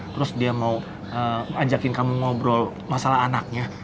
terus dia mau ajakin kamu ngobrol masalah anaknya